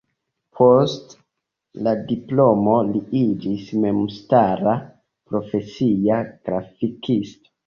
Post la diplomo li iĝis memstara, profesia grafikisto.